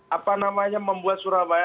apa namanya membuat surabaya